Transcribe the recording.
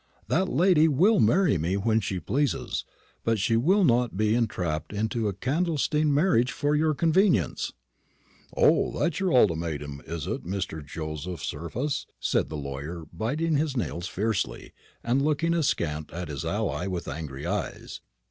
That lady will marry me when she pleases, but she shall not be entrapped into a clandestine marriage for your convenience." "O, that's your ultimatum, is it, Mr. Joseph Surface?" said the lawyer, biting his nails fiercely, and looking askant at his ally, with angry eyes.